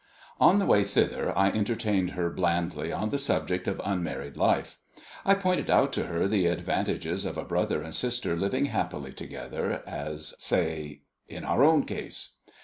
On the way thither I entertained her blandly on the subject of unmarried life. I pointed out to her the advantages of a brother and sister living happily together, as, say, in our own case.